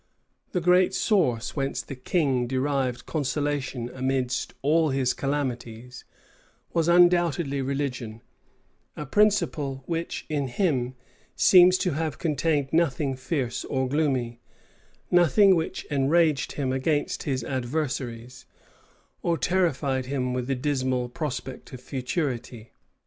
* Rush, vol. viii. p. 989. The great source whence the king derived consolation amidst all his calamities, was undoubtedly religion; a principle which, in him, seems to have contained nothing fierce or gloomy, nothing which enraged him against his adversaries, or terrified him with the dismal prospect of futurity.